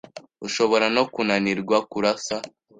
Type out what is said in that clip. Ushobora no kunanirwa kurasa